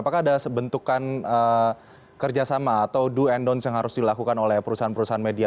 apakah ada bentukan kerjasama atau do and ⁇ dont ⁇ yang harus dilakukan oleh perusahaan perusahaan media